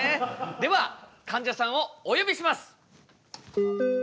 ではかんじゃさんをお呼びします！